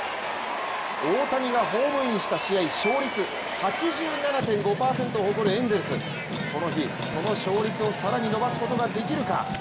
大谷がホームインした試合勝率８７．５％を誇るエンゼルス、この日、その勝率を更に伸ばすことができるか。